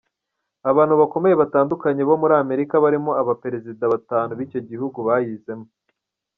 Abantu bakomeye batandukanye bo muri Amerika barimo abaperezida batanu b’icyo gihugu bayizemo.